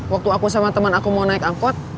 waktu aku sama teman aku mau naik angkot